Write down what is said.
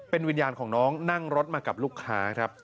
เป็นวิญญาณของน้องนั่งรถมากับลูกค้าครับ